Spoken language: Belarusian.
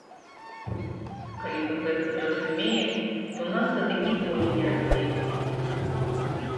Калі мы гэта зразумеем, то нас тады ніколі не раздзеляць.